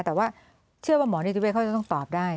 แต่ว่าเชื่อว่าหมอนิติเวทเขาจะต้องตอบได้